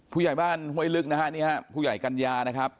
ผู้ใหญ่บ้านเฮ้ยฤกษ์นี่ผู้ใหญ่กัญญานะครับ